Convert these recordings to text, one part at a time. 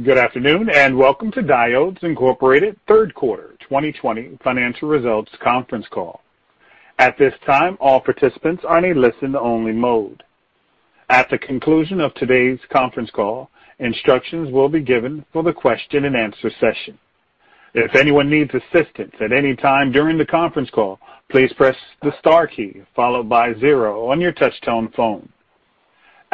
G`ood afternoon, and welcome to Diodes Incorporated third quarter 2020 financial results conference call. At this time, all participants are in a listen-only mode. At the conclusion of today's conference call, instructions will be given for the question and answer session. If anyone needs assistance at any time during the conference call, please press the star key followed by 0 on your touch-tone phone.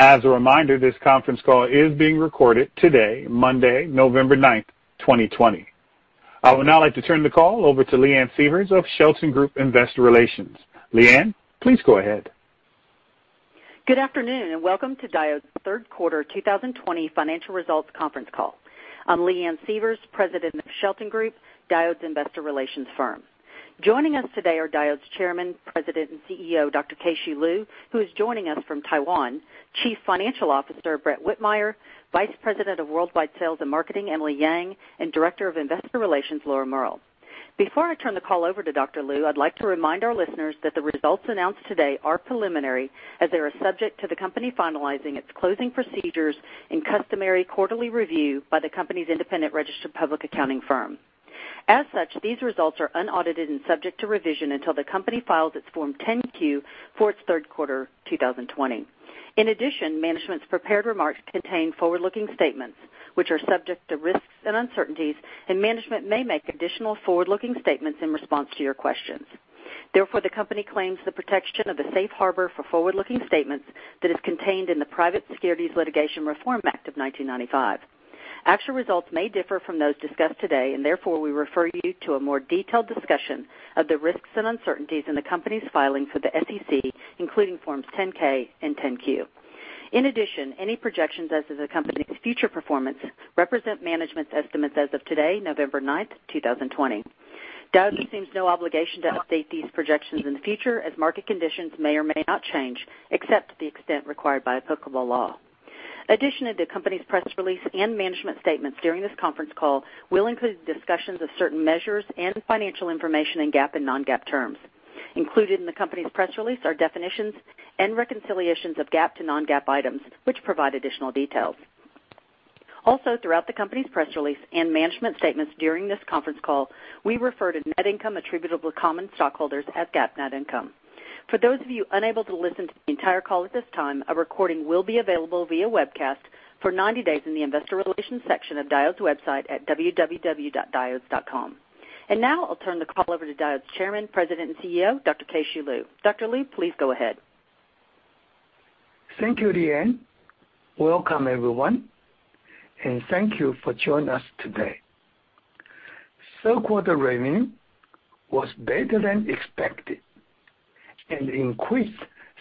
As a reminder, this conference call is being recorded today, Monday, November 9, 2020. I would now like to turn the call over to Leanne Sievers of Shelton Group Investor Relations. Leanne, please go ahead. Good afternoon, and welcome to Diodes third quarter 2020 financial results conference call. I'm Leanne Sievers, president of Shelton Group, Diodes investor relations firm. Joining us today are Diodes Chairman, President, and CEO, Dr. Keh-Shew Lu, who is joining us from Taiwan, Chief Financial Officer, Brett Whitmire, Vice President of Worldwide Sales and Marketing, Emily Yang, and Director of Investor Relations, Laura Tu. Before I turn the call over to Dr. Lu, I'd like to remind our listeners that the results announced today are preliminary as they are subject to the company finalizing its closing procedures and customary quarterly review by the company's independent registered public accounting firm. As such, these results are unaudited and subject to revision until the company files its Form 10-Q for its third quarter 2020. In addition, management's prepared remarks contain forward-looking statements, which are subject to risks and uncertainties, and management may make additional forward-looking statements in response to your questions. Therefore, the company claims the protection of the safe harbor for forward-looking statements that is contained in the Private Securities Litigation Reform Act of 1995. Actual results may differ from those discussed today, and therefore, we refer you to a more detailed discussion of the risks and uncertainties in the company's filings with the SEC, including Forms 10-K and 10-Q. In addition, any projections as to the company's future performance represent management's estimates as of today, November ninth, 2020. Diodes assumes no obligation to update these projections in the future as market conditions may or may not change, except to the extent required by applicable law. Additionally, the company's press release and management statements during this conference call will include discussions of certain measures and financial information in GAAP and non-GAAP terms. Included in the company's press release are definitions and reconciliations of GAAP to non-GAAP items, which provide additional details. Also, throughout the company's press release and management statements during this conference call, we refer to net income attributable to common stockholders as GAAP net income. For those of you unable to listen to the entire call at this time, a recording will be available via webcast for 90 days in the investor relations section of Diodes website at www.diodes.com. Now, I'll turn the call over to Diodes Chairman, President, and CEO, Dr. Keh-Shew Lu. Dr. Lu, please go ahead. Thank you, Leanne. Welcome, everyone, and thank you for joining us today. Third quarter revenue was better than expected and increased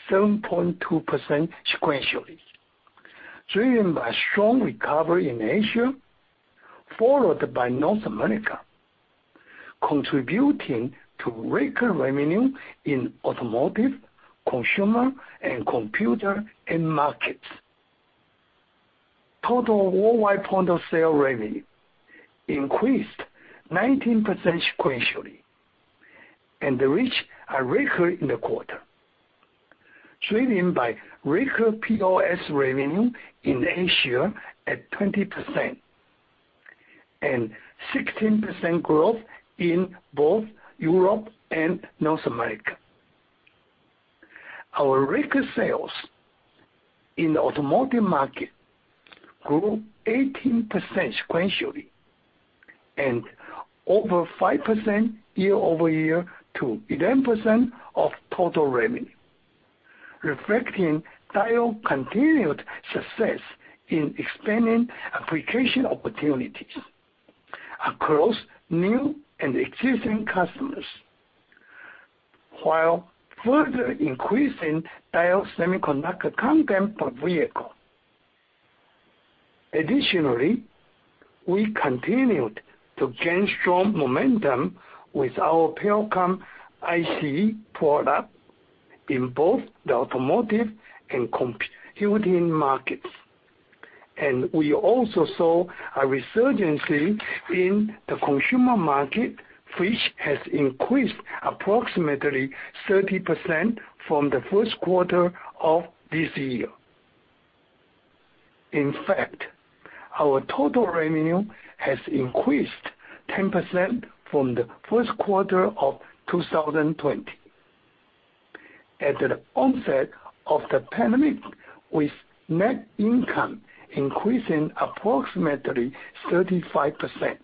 7.2% sequentially, driven by strong recovery in Asia, followed by North America, contributing to record revenue in automotive, consumer, and computer end markets. Total worldwide point-of-sale revenue increased 19% sequentially and reached a record in the quarter, driven by record POS revenue in Asia at 20% and 16% growth in both Europe and North America. Our record sales in the automotive market grew 18% sequentially and over 5% year-over-year to 11% of total revenue, reflecting Diodes continued success in expanding application opportunities across new and existing customers, while further increasing Diodes semiconductor content per vehicle. We continued to gain strong momentum with our Pericom IC product in both the automotive and computing markets. We also saw a resurgence in the consumer market, which has increased approximately 30% from the first quarter of this year. In fact, our total revenue has increased 10% from the first quarter of 2020 at the onset of the pandemic, with net income increasing approximately 35%,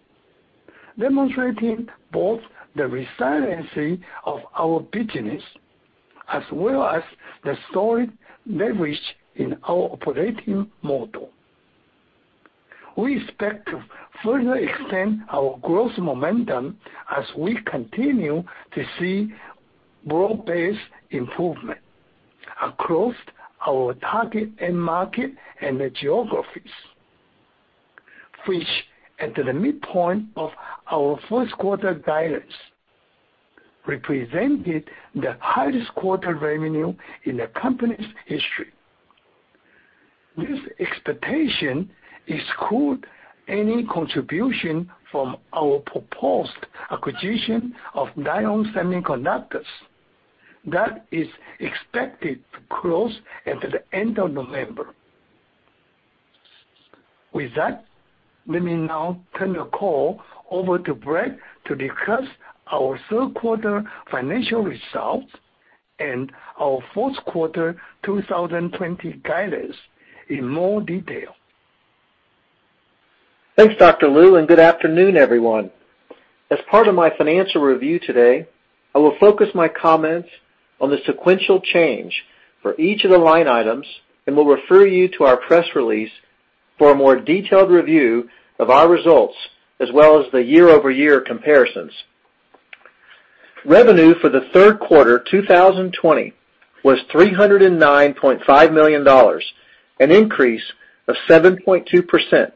demonstrating both the resilience of our business as well as the solid leverage in our operating model. We expect to further extend our growth momentum as we continue to see broad-based improvement across our target end market and the geographies, which at the midpoint of our first quarter guidance represented the highest quarter revenue in the company's history. This expectation excludes any contribution from our proposed acquisition of Lite-On Semiconductor. That is expected to close at the end of November. With that, let me now turn the call over to Brett to discuss our third quarter financial results and our fourth quarter 2020 guidance in more detail. Thanks, Dr. Lu, good afternoon, everyone. As part of my financial review today, I will focus my comments on the sequential change for each of the line items and will refer you to our press release for a more detailed review of our results as well as the year-over-year comparisons. Revenue for the third quarter 2020 was $309.5 million, an increase of 7.2%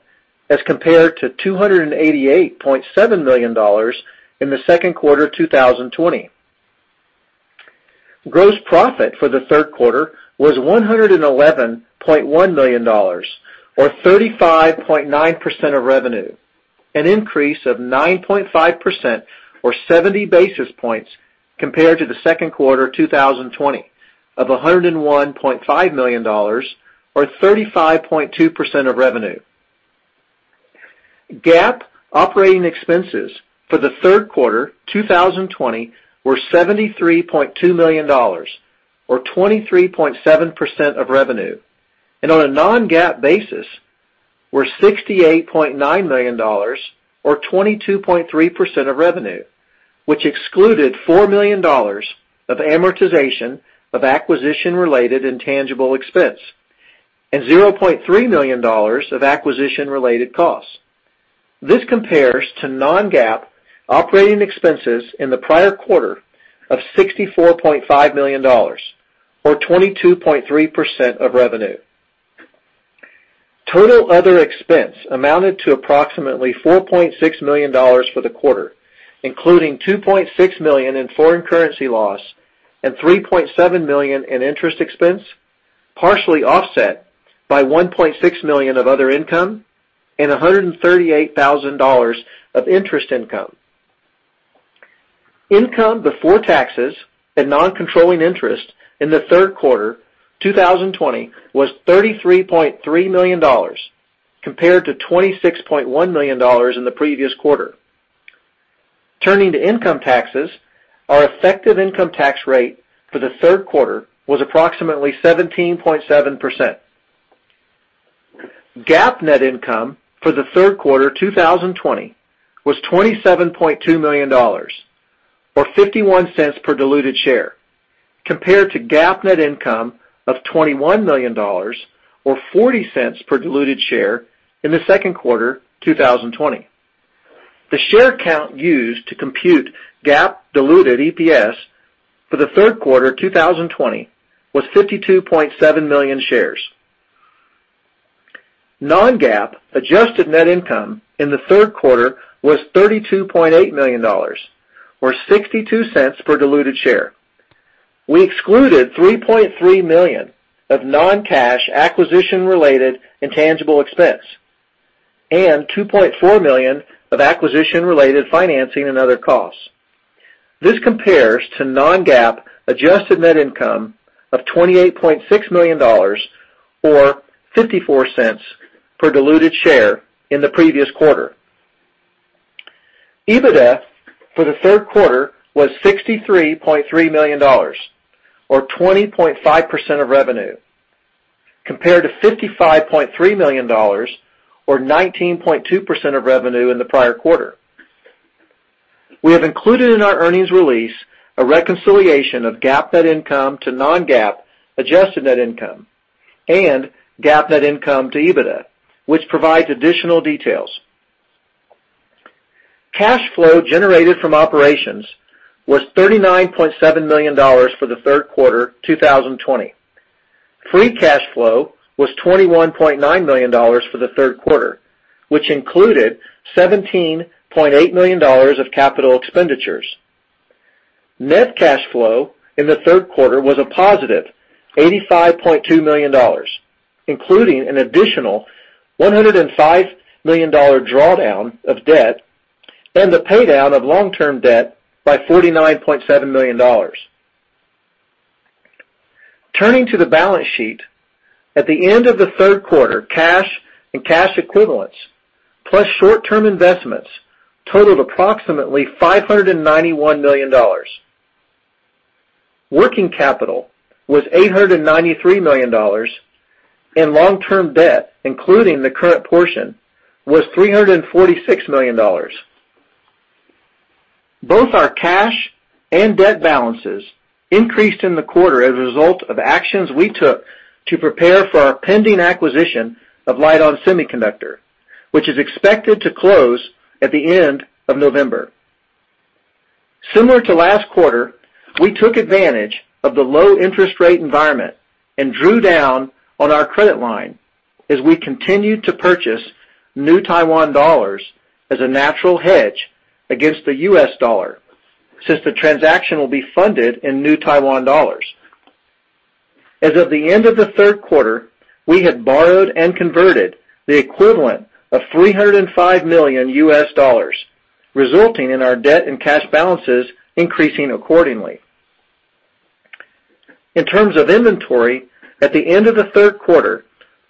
as compared to $288.7 million in the second quarter 2020. Gross profit for the third quarter was $111.1 million or 35.9% of revenue, an increase of 9.5% or 70 basis points compared to the second quarter 2020 of $101.5 million, or 35.2% of revenue. GAAP operating expenses for the third quarter 2020 were $73.2 million or 23.7% of revenue, and on a non-GAAP basis were $68.9 million or 22.3% of revenue, which excluded $4 million of amortization of acquisition-related intangible expense and $0.3 million of acquisition-related costs. This compares to non-GAAP operating expenses in the prior quarter of $64.5 million or 22.3% of revenue. Total other expense amounted to approximately $4.6 million for the quarter, including $2.6 million in foreign currency loss and $3.7 million in interest expense, partially offset by $1.6 million of other income and $138,000 of interest income. Income before taxes and non-controlling interest in the third quarter 2020 was $33.3 million, compared to $26.1 million in the previous quarter. Turning to income taxes, our effective income tax rate for the third quarter was approximately 17.7%. GAAP net income for the third quarter 2020 was $27.2 million or $0.51 per diluted share, compared to GAAP net income of $21 million or $0.40 per diluted share in the second quarter 2020. The share count used to compute GAAP diluted EPS for the third quarter 2020 was 52.7 million shares. Non-GAAP adjusted net income in the third quarter was $32.8 million, or $0.62 per diluted share. We excluded $3.3 million of non-cash acquisition-related intangible expense and $2.4 million of acquisition-related financing and other costs. This compares to non-GAAP adjusted net income of $28.6 million or $0.54 per diluted share in the previous quarter. EBITDA for the third quarter was $63.3 million or 20.5% of revenue, compared to $55.3 million or 19.2% of revenue in the prior quarter. We have included in our earnings release a reconciliation of GAAP net income to non-GAAP adjusted net income and GAAP net income to EBITDA, which provides additional details. Cash flow generated from operations was $39.7 million for the third quarter 2020. Free cash flow was $21.9 million for the third quarter, which included $17.8 million of capital expenditures. Net cash flow in the third quarter was a positive $85.2 million, including an additional $105 million drawdown of debt and the paydown of long-term debt by $49.7 million. Turning to the balance sheet. At the end of the third quarter, cash and cash equivalents plus short-term investments totaled approximately $591 million. Working capital was $893 million, and long-term debt, including the current portion, was $346 million. Both our cash and debt balances increased in the quarter as a result of actions we took to prepare for our pending acquisition of Lite-On Semiconductor, which is expected to close at the end of November. Similar to last quarter, we took advantage of the low interest rate environment and drew down on our credit line as we continued to purchase New Taiwan dollars as a natural hedge against the US dollar, since the transaction will be funded in New Taiwan dollars. As of the end of the third quarter, we had borrowed and converted the equivalent of $305 million, resulting in our debt and cash balances increasing accordingly. In terms of inventory, at the end of the third quarter,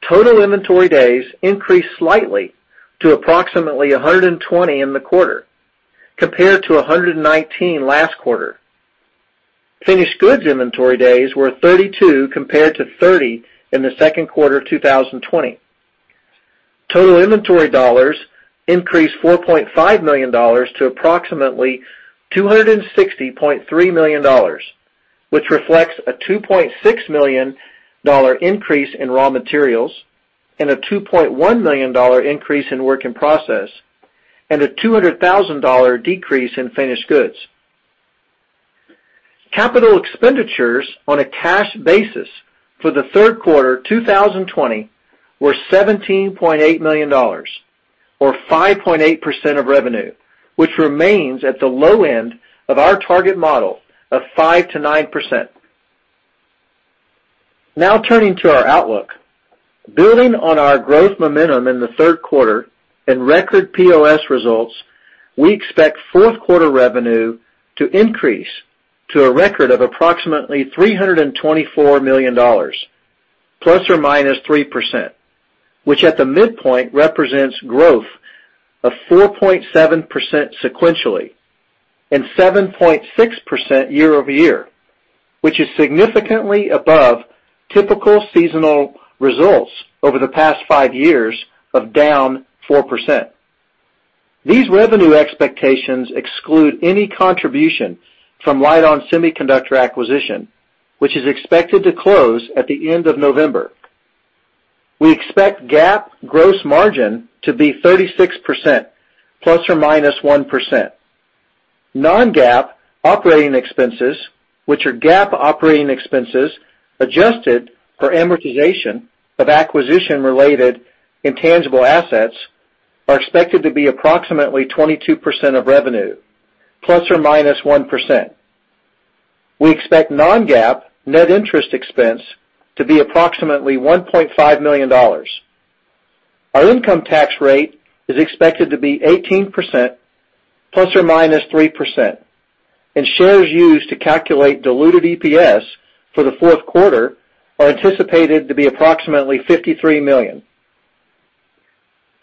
total inventory days increased slightly to approximately 120 in the quarter compared to 119 last quarter. Finished goods inventory days were 32 compared to 30 in the second quarter 2020. Total inventory dollars increased $4.5 million to approximately $260.3 million, which reflects a $2.6 million increase in raw materials and a $2.1 million increase in work in process, and a $200,000 decrease in finished goods. Capital expenditures on a cash basis for the third quarter 2020 were $17.8 million or 5.8% of revenue, which remains at the low end of our target model of 5%-9%. Now turning to our outlook. Building on our growth momentum in the third quarter and record POS results, we expect fourth quarter revenue to increase to a record of approximately $324 million ±3%, which at the midpoint represents growth of 4.7% sequentially and 7.6% year-over-year, which is significantly above typical seasonal results over the past five years of down 4%. These revenue expectations exclude any contribution from Lite-On Semiconductor acquisition, which is expected to close at the end of November. We expect GAAP gross margin to be 36% ± 1%. Non-GAAP operating expenses, which are GAAP operating expenses adjusted for amortization of acquisition-related intangible assets, are expected to be approximately 22% ± 1% of revenue. We expect non-GAAP net interest expense to be approximately $1.5 million. Our income tax rate is expected to be 18% ± 3%, and shares used to calculate diluted EPS for the fourth quarter are anticipated to be approximately 53 million.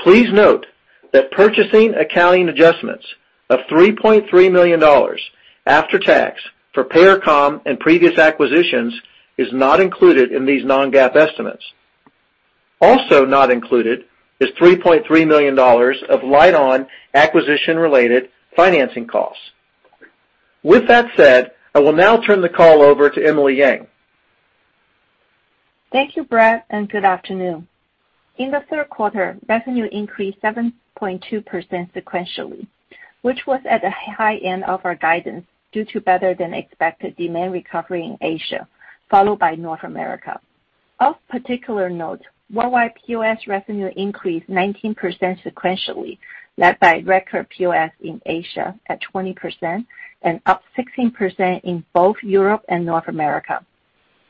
Please note that purchase accounting adjustments of $3.3 million after tax for Pericom and previous acquisitions is not included in these non-GAAP estimates. Also not included is $3.3 million of Lite-On acquisition-related financing costs. With that said, I will now turn the call over to Emily Yang. Thank you, Brett, good afternoon. In the third quarter, revenue increased 7.2% sequentially, which was at the high end of our guidance due to better than expected demand recovery in Asia, followed by North America. Of particular note, worldwide POS revenue increased 19% sequentially, led by record POS in Asia at 20% and up 16% in both Europe and North America.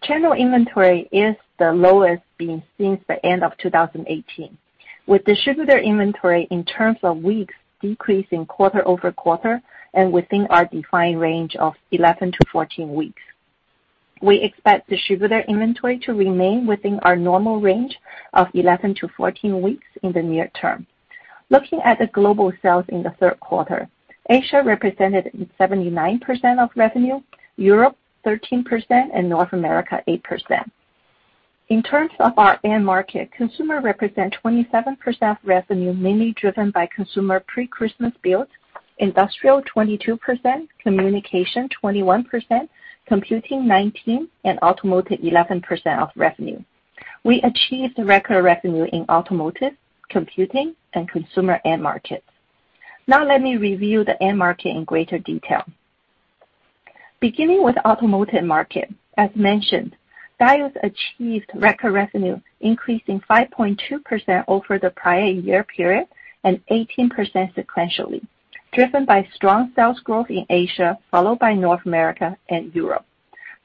Channel inventory is the lowest being since the end of 2018, with distributor inventory in terms of weeks decreasing quarter-over-quarter and within our defined range of 11-14 weeks. We expect distributor inventory to remain within our normal range of 11-14 weeks in the near term. Looking at the global sales in the third quarter, Asia represented 79% of revenue, Europe 13%, and North America 8%. In terms of our end market, consumer represent 27% of revenue, mainly driven by consumer pre-Christmas build, industrial 22%, communication 21%, computing 19%, and automotive 11% of revenue. We achieved record revenue in automotive, computing, and consumer end markets. Let me review the end market in greater detail. Beginning with automotive market, as mentioned, Diodes achieved record revenue increasing 5.2% over the prior year period and 18% sequentially, driven by strong sales growth in Asia, followed by North America and Europe.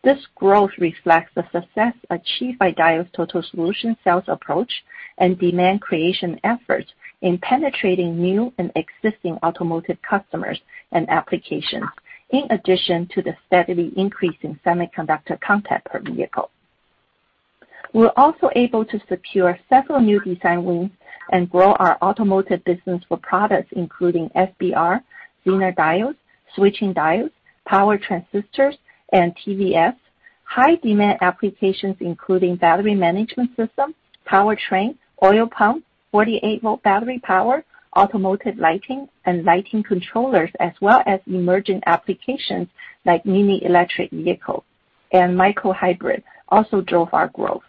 This growth reflects the success achieved by Diodes' total solution sales approach and demand creation efforts in penetrating new and existing automotive customers and applications, in addition to the steadily increasing semiconductor content per vehicle. We were also able to secure several new design wins and grow our automotive business for products including SBR, Zener diodes, switching diodes, power transistors, and TVS. High-demand applications including battery management system, powertrain, oil pump, 48-volt battery power, automotive lighting, and lighting controllers, as well as emerging applications like mini electric vehicles and micro hybrid also drove our growth.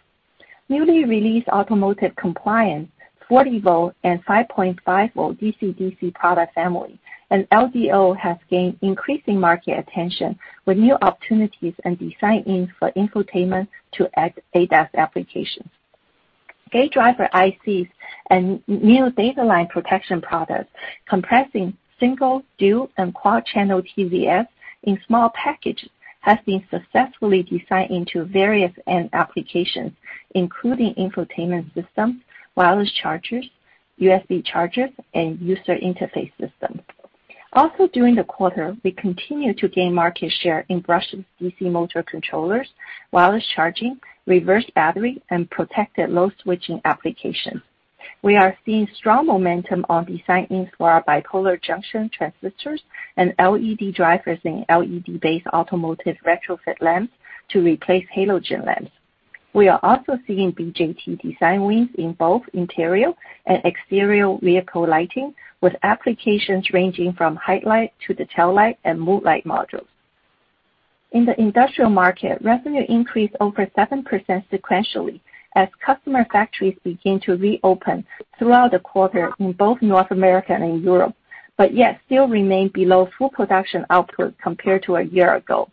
Newly released automotive compliant 40-volt and 5.5-volt DC-DC product family and LDO has gained increasing market attention with new opportunities and design wins for infotainment to ADAS applications. Gate driver ICs and new data line protection products comprising single, dual, and quad-channel TVS in small packages has been successfully designed into various end applications, including infotainment systems, wireless chargers, USB chargers, and user interface systems. Also, during the quarter, we continued to gain market share in brushless DC motor controllers, wireless charging, reverse battery, and protected low switching applications. We are seeing strong momentum on design-ins for our bipolar junction transistors and LED drivers in LED-based automotive retrofit lamps to replace halogen lamps. We are also seeing BJT design wins in both interior and exterior vehicle lighting, with applications ranging from headlight to the taillight and mood light modules. In the industrial market, revenue increased over 7% sequentially as customer factories began to reopen throughout the quarter in both North America and Europe, but yet still remain below full production output compared to a year ago.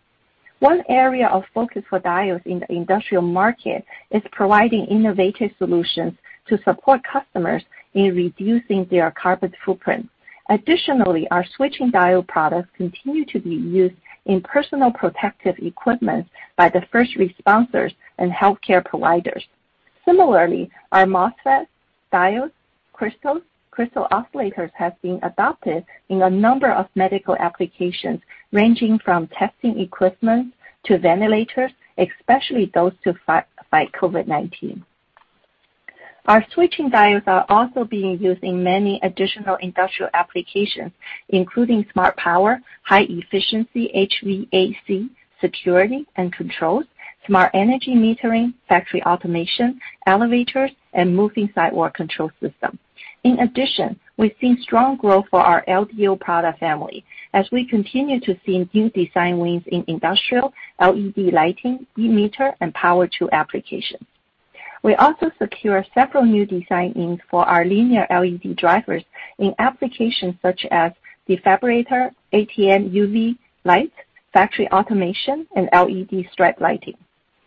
One area of focus for Diodes in the industrial market is providing innovative solutions to support customers in reducing their carbon footprint. Additionally, our switching diode products continue to be used in personal protective equipment by the first responders and healthcare providers. Similarly, our MOSFETs, diodes, crystals, crystal oscillators have been adopted in a number of medical applications, ranging from testing equipment to ventilators, especially those to fight COVID-19. Our switching diodes are also being used in many additional industrial applications, including smart power, high efficiency HVAC, security and controls, smart energy metering, factory automation, elevators, and moving sidewalk control system. In addition, we've seen strong growth for our LDO product family as we continue to see new design wins in industrial, LED lighting, e-meter, and Power-over-Ethernet applications. We also secure several new design wins for our linear LED drivers in applications such as defibrillator, ATM UV light, factory automation, and LED strip lighting.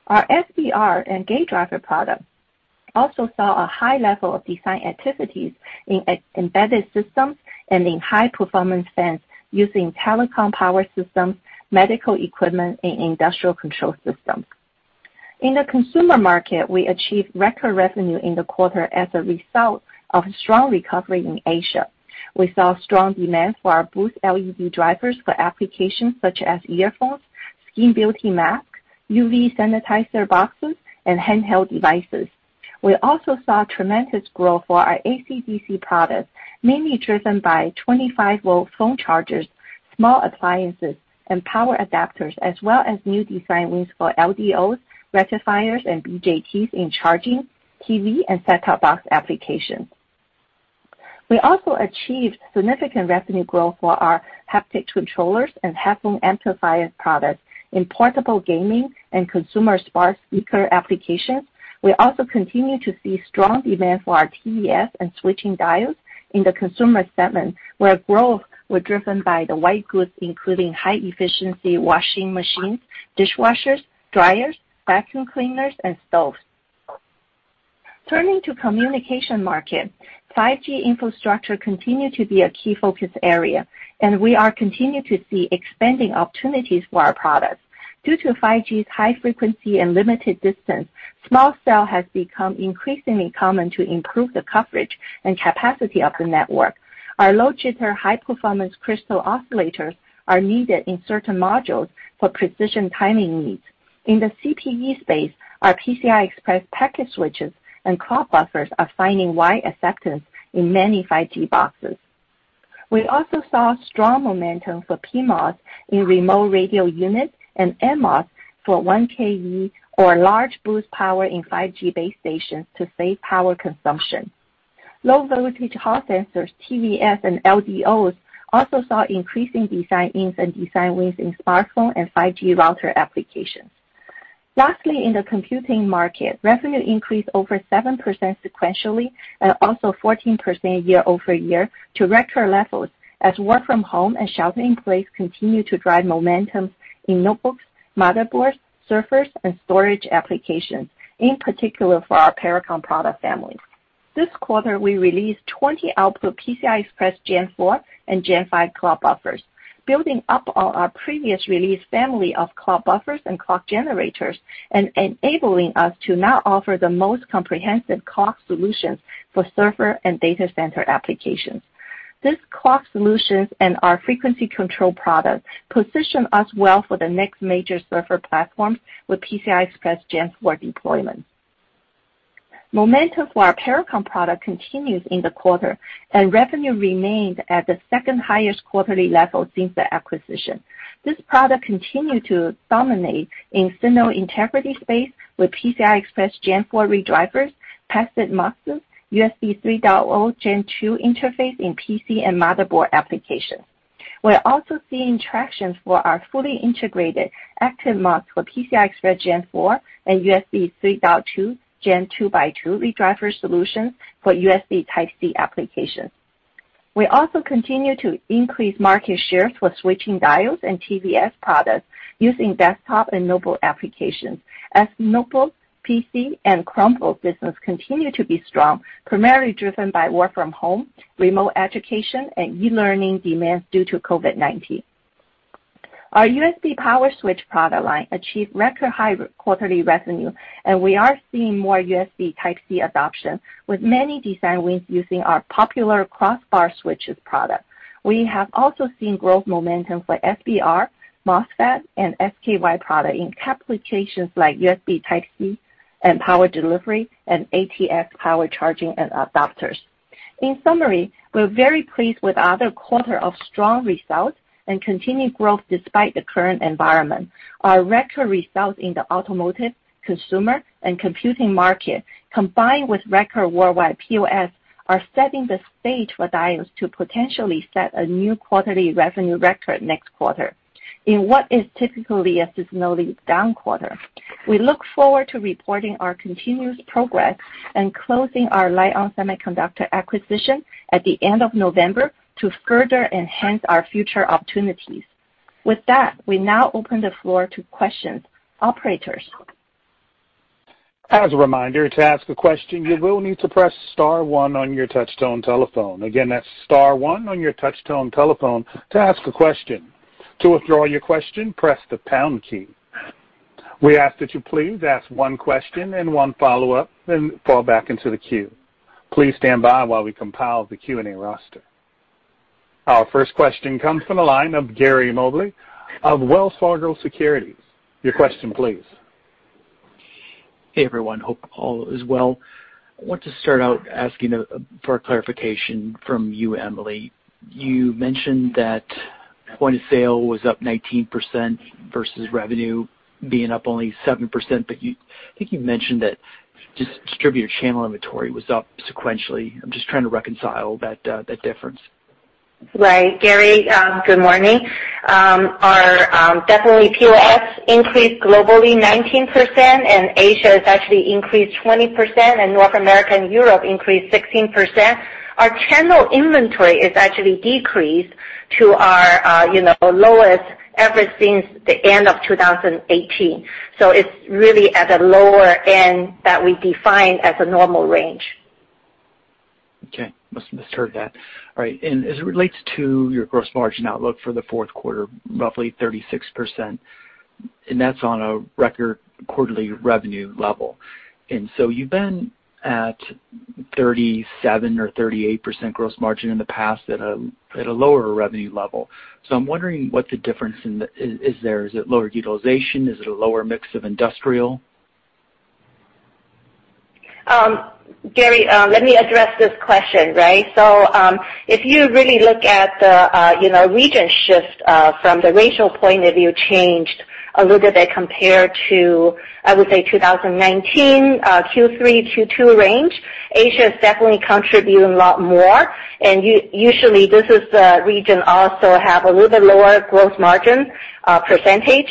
Our SBR and gate driver products also saw a high level of design activities in embedded systems and in high-performance hence telecom power systems, medical equipment, and industrial control systems. In the consumer market, we achieved record revenue in the quarter as a result of strong recovery in Asia. We saw strong demand for our boost LED drivers for applications such as earphones, skin beauty masks, UV sanitizer boxes, and handheld devices. We also saw tremendous growth for our AC/DC products, mainly driven by 25-volt phone chargers, small appliances, and power adapters, as well as new design wins for LDOs, rectifiers, and BJTs in charging, TV, and set-top box applications. We also achieved significant revenue growth for our haptic controllers and headphone amplifier products in portable gaming and consumer smart speaker applications. We also continue to see strong demand for our TVS and switching diodes in the consumer segment, where growth were driven by the white goods, including high-efficiency washing machines, dishwashers, dryers, vacuum cleaners, and stoves. Turning to communication market, 5G infrastructure continue to be a key focus area, and we are continuing to see expanding opportunities for our products. Due to 5G's high frequency and limited distance, small cell has become increasingly common to improve the coverage and capacity of the network. Our low jitter, high performance crystal oscillators are needed in certain modules for precision timing needs. In the CPE space, our PCI Express packet switches and clock buffers are finding wide acceptance in many 5G boxes. We also saw strong momentum for PMOS in remote radio units and NMOS for 1 kW or large boost power in 5G base stations to save power consumption. Low voltage hall sensors, TVS, and LDOs also saw increasing design-ins and design wins in smartphone and 5G router applications. Lastly, in the computing market, revenue increased over 7% sequentially and also 14% year-over-year to record levels as work from home and shelter in place continue to drive momentum in notebooks, motherboards, servers, and storage applications, in particular for our Pericom product families. This quarter, we released 20 output PCI Express Gen 4 and Gen 5 clock buffers, building up on our previous release family of clock buffers and clock generators and enabling us to now offer the most comprehensive clock solutions for server and data center applications. This clock solutions and our frequency control products position us well for the next major server platforms with PCI Express Gen 4 deployment. Momentum for our Pericom product continues in the quarter, and revenue remained at the second highest quarterly level since the acquisition. This product continued to dominate in signal integrity space with PCI Express Gen 4 redrivers, passive muxes, USB 3.2 Gen 2 interface in PC and motherboard applications. We are also seeing traction for our fully integrated active mux for PCI Express Gen 4 and USB 3.2 Gen 2 by two redriver solutions for USB Type-C applications. We also continue to increase market shares for switching diodes and TVS products using desktop and mobile applications. As notebook, PC, and Chromebook business continue to be strong, primarily driven by work from home, remote education, and e-learning demands due to COVID-19. Our USB power switch product line achieved record high quarterly revenue, and we are seeing more USB Type-C adoption, with many design wins using our popular cross-bar switches product. We have also seen growth momentum for SBR, MOSFET, and Schottky product in applications like USB Type-C and power delivery and ADAS power charging and adapters. In summary, we're very pleased with another quarter of strong results and continued growth despite the current environment. Our record results in the automotive, consumer, and computing market, combined with record worldwide POS, are setting the stage for Diodes to potentially set a new quarterly revenue record next quarter, in what is typically a seasonally down quarter. We look forward to reporting our continuous progress and closing our Lite-On Semiconductor acquisition at the end of November to further enhance our future opportunities. With that, we now open the floor to questions. Operators. As a reminder, to ask a question, you will need to press star one on your touchtone telephone. Again, that's star one on your touchtone telephone to ask a question. To withdraw your question, press the pound key. We ask that you please ask one question and one follow-up, and fall back into the queue. Please stand by while we compile the Q&A roster. Our first question comes from the line of Gary Mobley of Wells Fargo Securities. Your question, please. Hey, everyone. Hope all is well. I want to start out asking for a clarification from you, Emily. You mentioned that point of sale was up 19% versus revenue being up only 7%. I think you mentioned that distributor channel inventory was up sequentially. I'm just trying to reconcile that difference. Right. Gary, good morning. Our POS increased globally 19%. Asia has actually increased 20%. North America and Europe increased 16%. Our channel inventory is actually decreased to our lowest ever since the end of 2018. It's really at the lower end that we define as a normal range. Okay. Misheard that. All right. As it relates to your gross margin outlook for the fourth quarter, roughly 36%, and that's on a record quarterly revenue level. You've been at 37% or 38% gross margin in the past at a lower revenue level. I'm wondering what the difference is there. Is it lower utilization? Is it a lower mix of industrial? Gary, let me address this question. If you really look at the region shift from the regional point of view changed a little bit compared to, I would say 2019 Q3, Q2 range, Asia is definitely contributing a lot more, and usually this is the region also have a little bit lower gross margin %.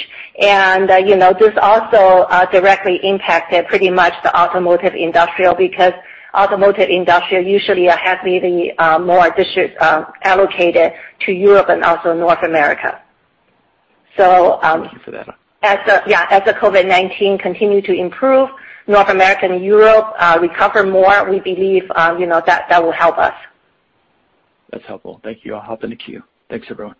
This also directly impacted pretty much the automotive industrial, because automotive industrial usually has the more busines allocated to Europe and also North America. Thank you for that. As the COVID-19 continue to improve, North America and Europe recover more, we believe that that will help us. That's helpful. Thank you. I'll hop in the queue. Thanks, everyone.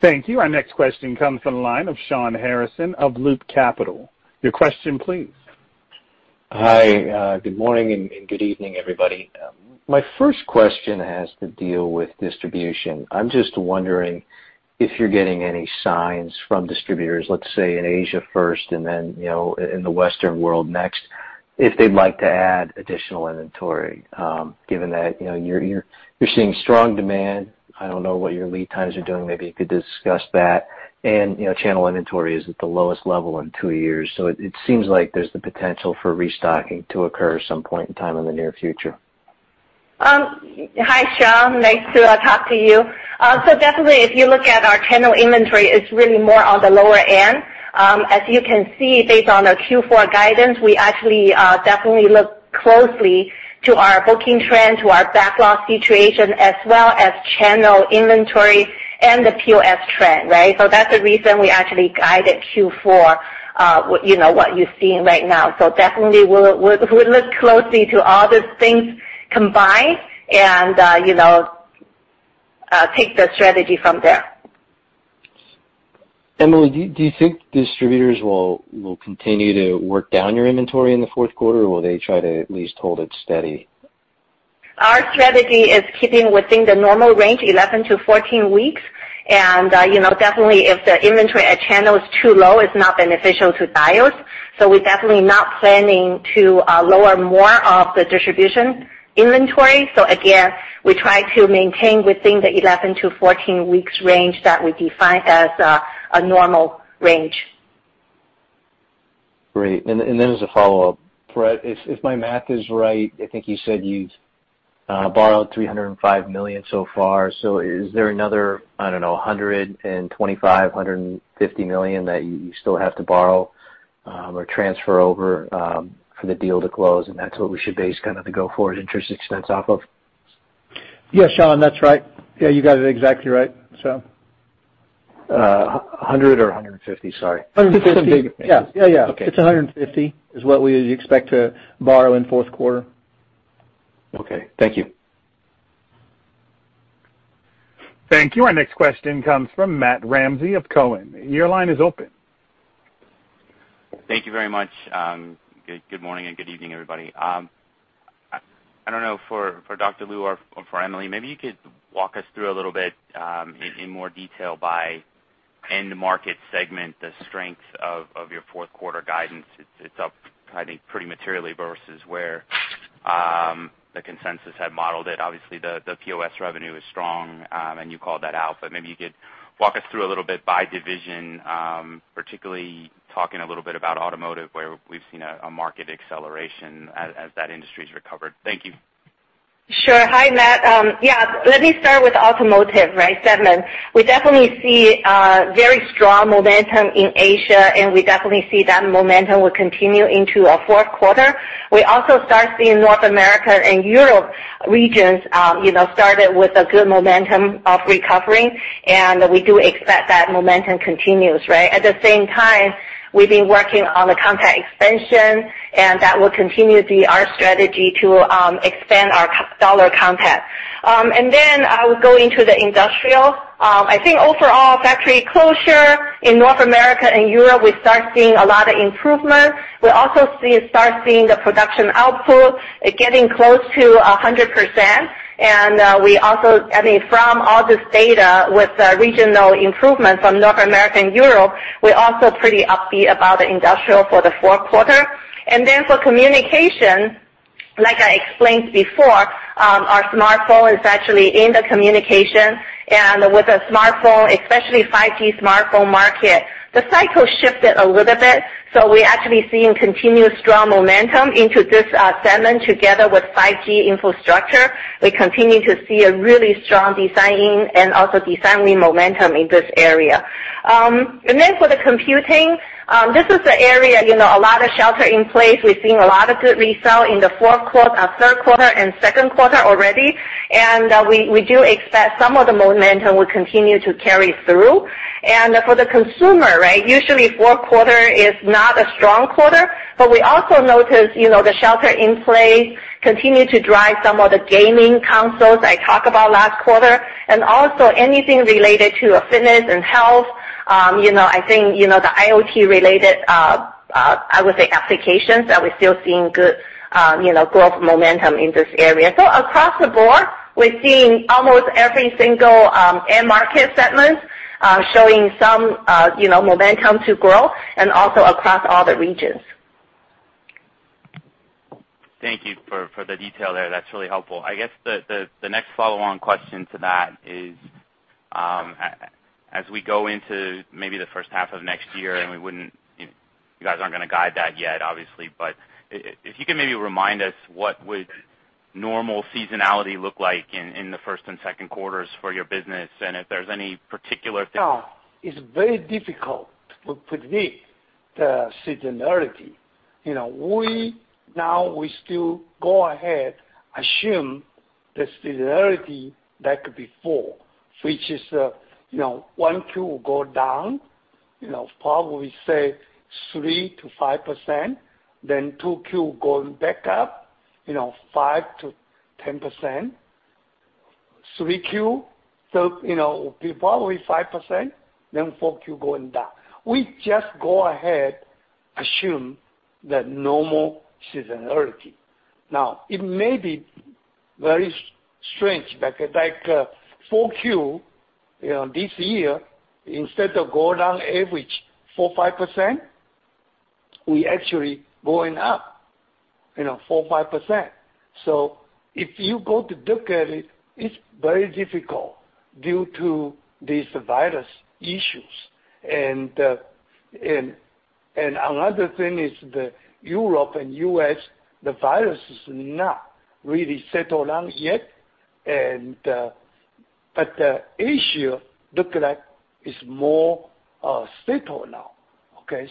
Thank you. Our next question comes from the line of Shawn Harrison of Loop Capital. Your question, please. Hi. Good morning and good evening, everybody. My first question has to deal with distribution. I'm just wondering if you're getting any signs from distributors, let's say in Asia first and then in the Western world next, if they'd like to add additional inventory, given that you're seeing strong demand. I don't know what your lead times are doing. Maybe you could discuss that. Channel inventory is at the lowest level in two years, so it seems like there's the potential for restocking to occur at some point in time in the near future. Hi, Shawn. Nice to talk to you. Definitely, if you look at our channel inventory, it's really more on the lower end. As you can see, based on our Q4 guidance, we actually definitely look closely to our booking trend, to our backlog situation, as well as channel inventory and the POS trend, right? That's the reason we actually guided Q4, what you're seeing right now. Definitely, we'll look closely to all these things combined and take the strategy from there. Emily, do you think distributors will continue to work down your inventory in the fourth quarter, or will they try to at least hold it steady? Our strategy is keeping within the normal range, 11 to 14 weeks. Definitely, if the inventory at channel is too low, it's not beneficial to Diodes. We're definitely not planning to lower more of the distribution inventory. Again, we try to maintain within the 11 to 14 weeks range that we define as a normal range. Great. As a follow-up, if my math is right, I think you said you've borrowed $305 million so far. Is there another, I don't know, $125 million-$150 million that you still have to borrow or transfer over for the deal to close, and that's what we should base the go forward interest expense off of? Yes, Shawn, that's right. Yeah, you got it exactly right. 100 or 150? Sorry. 150. It's the big- Yeah. It's $150, is what we expect to borrow in fourth quarter. Okay. Thank you. Thank you. Our next question comes from Matthew Ramsay of Cowen. Your line is open. Thank you very much. Good morning and good evening, everybody. I don't know, for Dr. Lu or for Emily, maybe you could walk us through a little bit, in more detail by end market segment, the strength of your fourth quarter guidance. It's up, I think, pretty materially versus where the consensus had modeled it. Obviously, the POS revenue is strong, and you called that out. Maybe you could walk us through a little bit by division, particularly talking a little bit about automotive, where we've seen a market acceleration as that industry's recovered. Thank you. Sure. Hi, Matt. Yeah. Let me start with automotive segment. We definitely see very strong momentum in Asia, and we definitely see that momentum will continue into our fourth quarter. We also start seeing North America and Europe regions started with a good momentum of recovering, and we do expect that momentum continues, right? At the same time, we've been working on the content expansion, and that will continue to be our strategy to expand our dollar content. I would go into the industrial. I think overall, factory closure in North America and Europe, we start seeing a lot of improvement. We also start seeing the production output getting close to 100%. From all this data with regional improvements from North America and Europe, we're also pretty upbeat about the industrial for the fourth quarter. Then for communication, like I explained before, our smartphone is actually in the communication. With the smartphone, especially 5G smartphone market, the cycle shifted a little bit. We're actually seeing continued strong momentum into this segment together with 5G infrastructure. We continue to see a really strong designing and also designing momentum in this area. Then for the computing, this is the area, a lot of shelter in place. We're seeing a lot of good resell in the third quarter and second quarter already, and we do expect some of the momentum will continue to carry through. For the consumer, right. Usually, fourth quarter is not a strong quarter, but we also notice the shelter in place continued to drive some of the gaming consoles I talk about last quarter, and also anything related to fitness and health. I think the IoT related, I would say, applications that we're still seeing good growth momentum in this area. Across the board, we're seeing almost every single end market segment showing some momentum to growth and also across all the regions. Thank you for the detail there. That is really helpful. I guess the next follow-on question to that is, as we go into maybe the first half of next year, and you guys aren't going to guide that yet, obviously, but if you can maybe remind us what would normal seasonality look like in the first and second quarters for your business, and if there's any particular thing. It's very difficult to predict the seasonality. We still go ahead, assume the seasonality like before, which is 1Q will go down, probably say 3%-5%, 2Q going back up 5%-10%, 3Q, probably 5%, 4Q going down. We just go ahead assume the normal seasonality. It may be very strange, like 4Q this year, instead of go down average 4%, 5%, we actually going up 4%, 5%. If you go to look at it's very difficult due to these virus issues. Another thing is that Europe and U.S., the virus is not really settled down yet. Asia look like it's more settled now. Okay,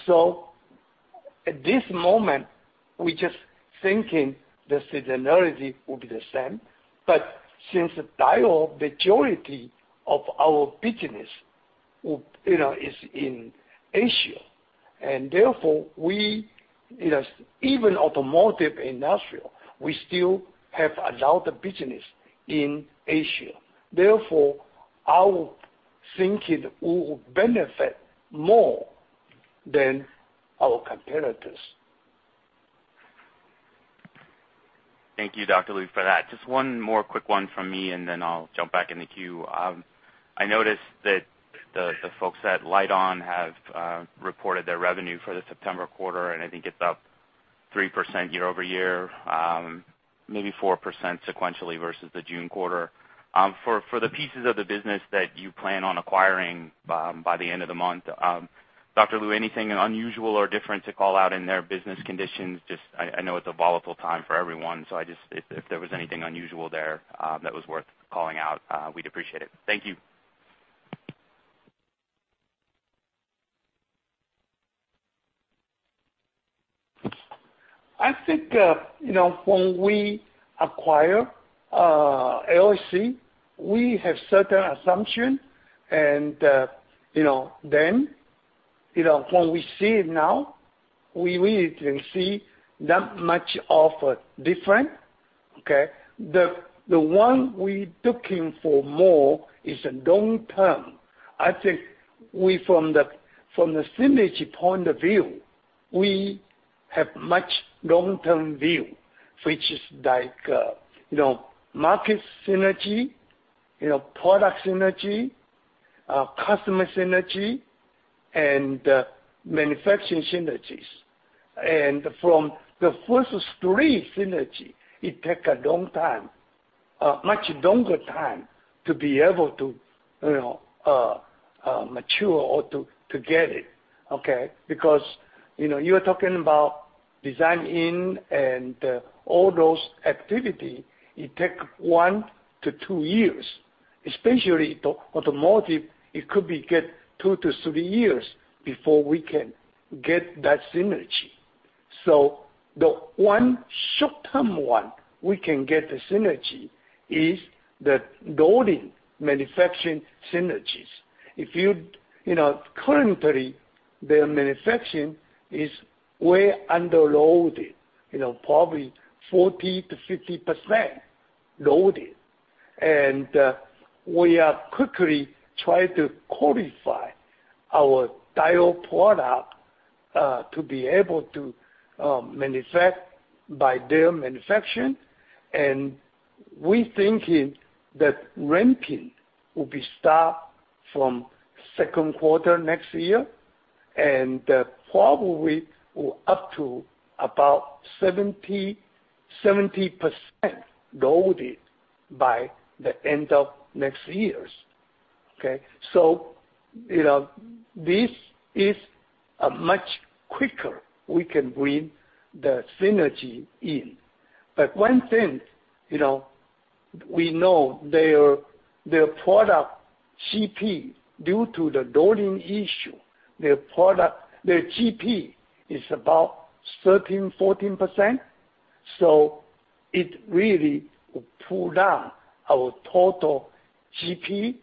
at this moment, we're just thinking the seasonality will be the same. Since the dire majority of our business is in Asia, and therefore, even automotive, industrial, we still have a lot of business in Asia. I would think it will benefit more than our competitors. Thank you, Dr. Lu, for that. Just one more quick one from me, and then I'll jump back in the queue. I noticed that the folks at Lite-On have reported their revenue for the September quarter, and I think it's up 3% year-over-year, maybe 4% sequentially versus the June quarter. For the pieces of the business that you plan on acquiring by the end of the month, Dr. Lu, anything unusual or different to call out in their business conditions? Just, I know it's a volatile time for everyone, so if there was anything unusual there that was worth calling out, we'd appreciate it. Thank you. I think when we acquire LSC, we have certain assumptions. Then, when we see it now, we really can see not much of a difference. The one we're looking for more is the long term. I think from the synergy point of view, we have much long-term view, which is market synergy, product synergy, customer synergy, and manufacturing synergies. From the first three synergy, it take a long time, a much longer time to be able to mature or to get it. Because you are talking about design-in and all those activity, it take one-two years. Especially the automotive, it could be get two-three years before we can get that synergy. The one short-term one we can get the synergy is the loading manufacturing synergies. Currently, their manufacturing is way underloaded, probably 40%-50% loaded. We are quickly trying to qualify our diode product to be able to manufacture by their manufacturing. We thinking that ramping will be start from second quarter next year and probably up to about 70% loaded by the end of next year. This is a much quicker we can bring the synergy in. One thing, we know their product GP, due to the loading issue, their GP is about 13%, 14%, so it really will pull down our total GP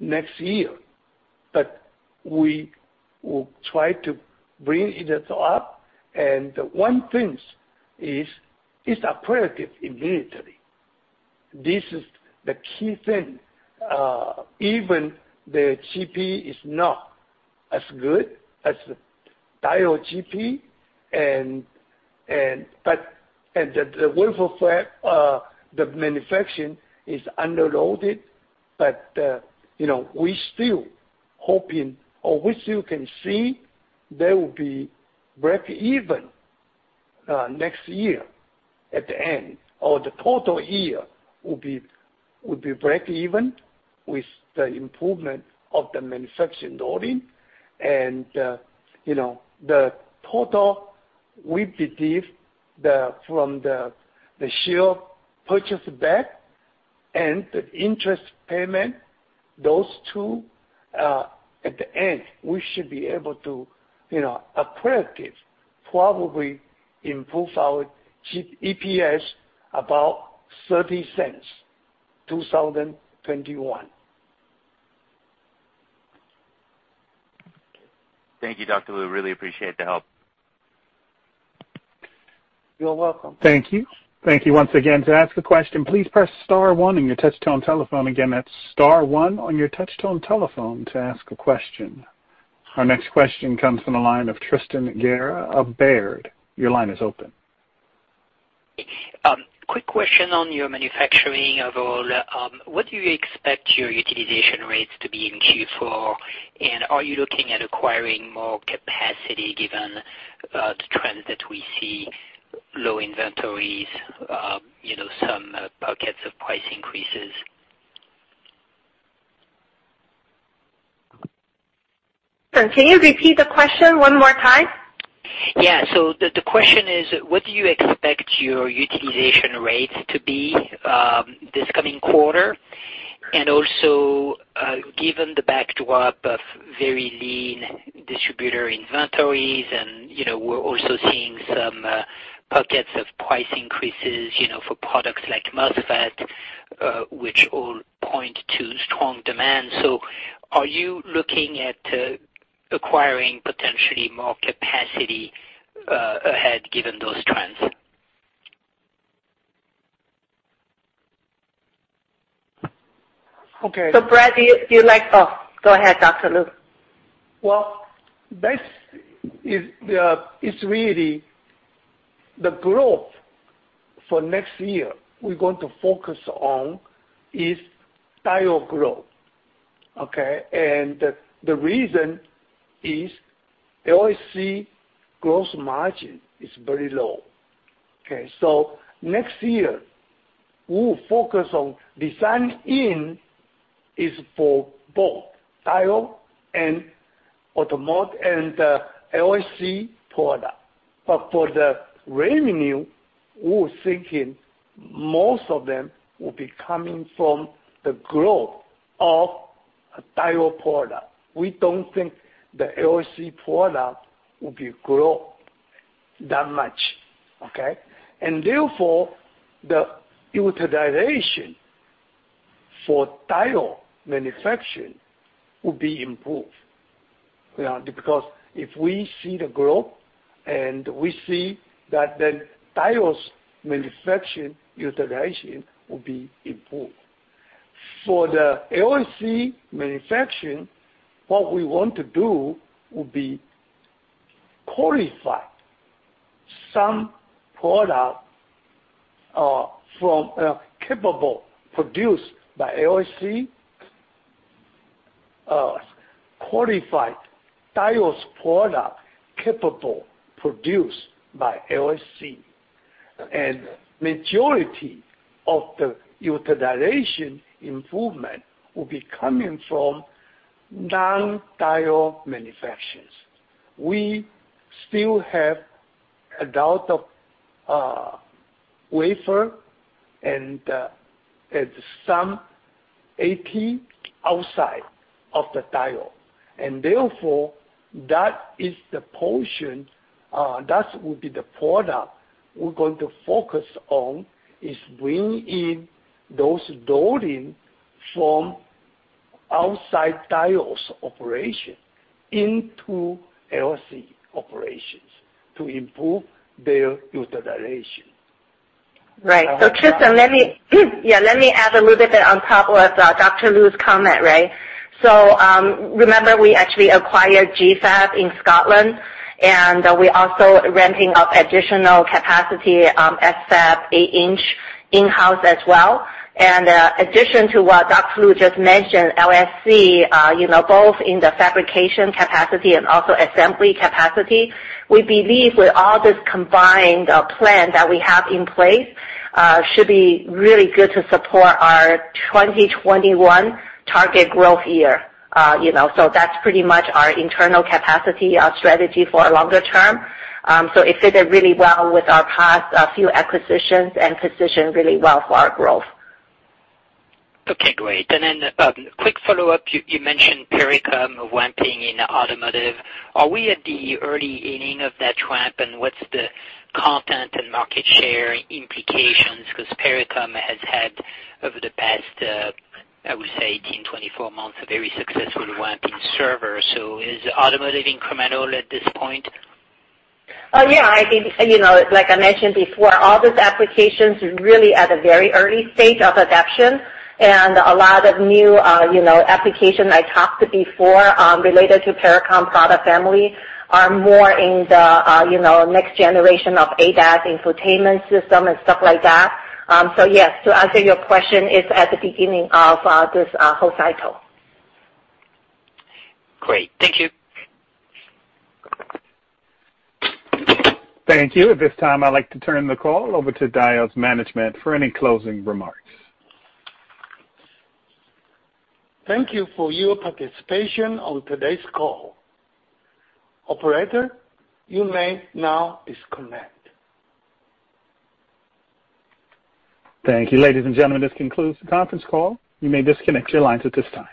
next year. We will try to bring it up. One thing is, it's accretive immediately. This is the key thing. Even the GP is not as good as the Diodes GP, and the wafer FAB, the manufacturing is underloaded, but we still hoping, or we still can see there will be break-even next year at the end, or the total year will be break-even with the improvement of the manufacturing loading. The total, we believe from the share purchase back and the interest payment, those two, at the end, we should be able to accretive, probably improve our EPS about $0.30, 2021. Thank you, Dr. Lu. Really appreciate the help. You're welcome. Thank you. Thank you once again. To ask a question, please press star one on your touchtone telephone. Again, that's star one on your touchtone telephone to ask a question. Our next question comes from the line of Tristan Gerra of Baird. Your line is open. Quick question on your manufacturing overall. What do you expect your utilization rates to be in Q4? Are you looking at acquiring more capacity given the trends that we see, low inventories, some pockets of price increases? Can you repeat the question one more time? The question is, what do you expect your utilization rates to be this coming quarter? Given the backdrop of very lean distributor inventories, and we're also seeing some pockets of price increases for products like MOSFET, which all point to strong demand. Are you looking at acquiring potentially more capacity ahead given those trends? Okay. Brett, do you like go ahead, Dr. Lu. It's really the growth for next year we're going to focus on is Diodes growth. The reason is LSC gross margin is very low. Next year, we will focus on design-in is for both Diodes and automotive and the LSC product. For the revenue, we were thinking most of them will be coming from the growth of a Diodes product. We don't think the LSC product will grow that much. Okay. Therefore, the utilization for Diodes manufacturing will be improved. If we see the growth, and we see that then Diodes manufacturing utilization will be improved. For the LSC manufacturing, what we want to do will be qualify some product from capable produced by LSC, qualified Diodes product capable produced by LSC. Majority of the utilization improvement will be coming from non-Diodes manufacturers. We still have a lot of wafer and some OSAT outside of Diodes. That is the portion, that will be the product we're going to focus on, is bring in those loading from outside Diodes operation into LSC operations to improve their utilization. Right. Tristan, let me add a little bit on top of Dr. Lu's comment. Remember we actually acquired GFAB in Scotland, and we're also ramping up additional capacity, FAB eight inch in-house as well. Addition to what Dr. Lu just mentioned, LSC, both in the fabrication capacity and also assembly capacity, we believe with all this combined plan that we have in place, should be really good to support our 2021 target growth year. That's pretty much our internal capacity, our strategy for longer term. It fitted really well with our past few acquisitions and positioned really well for our growth. Okay, great. Quick follow-up, you mentioned Pericom ramping in automotive. Are we at the early inning of that ramp, and what's the content and market share implications? Pericom has had, over the past, I would say 18, 24 months, a very successful ramp in server. Is automotive incremental at this point? Yeah. I think, like I mentioned before, all these applications really at a very early stage of adoption, and a lot of new applications I talked before, related to Pericom product family, are more in the next generation of ADAS infotainment system and stuff like that. Yes, to answer your question, it's at the beginning of this whole cycle. Great. Thank you. Thank you. At this time, I'd like to turn the call over to Diodes management for any closing remarks. Thank you for your participation on today's call. Operator, you may now disconnect. Thank you, ladies and gentlemen. This concludes the conference call. You may disconnect your lines at this time.